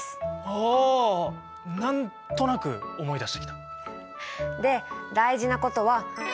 あなんとなく思い出してきた。